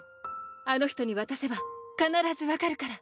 あの人に渡せば必ずわかるから。